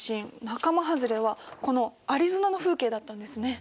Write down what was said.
仲間はずれはこのアリゾナの風景だったんですね。